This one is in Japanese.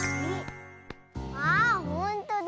あほんとだ。